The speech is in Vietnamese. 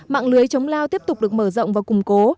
mạng lưới chống lao tiếp tục được mở rộng và củng cố